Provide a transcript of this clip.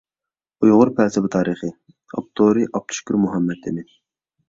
«ئۇيغۇر پەلسەپە تارىخى»، ئاپتورى: ئابدۇشۈكۈر مۇھەممەتئىمىن.